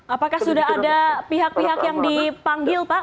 apakah sudah ada pihak pihak yang dipanggil pak